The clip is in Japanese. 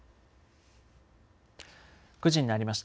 ９時になりました。